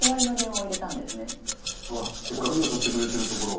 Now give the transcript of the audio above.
せっかく誘ってくれてるところを。